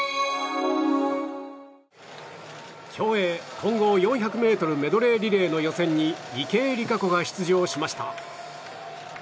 競泳混合４００ｍメドレーリレーの予選に池江璃花子が出場しました。